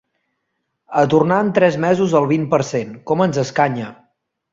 A tornar en tres mesos al vint per cent: com ens escanya!